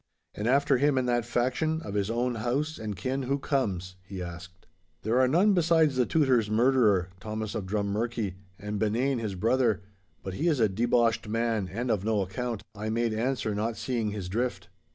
'And after him in that faction, of his own house and kin who comes—?' he asked. 'There are none besides the Tutor's murderer, Thomas of Drummurchie, and Benane his brother, but he is a deboshed man and of no account,' I made answer, not seeing his drift.